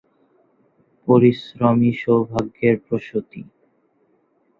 কিন্তু টেলিভিশন প্রথম কাজ করার আগে তিনি বাংলা ভাষার চলচ্চিত্রে কাজ করেছিলেন।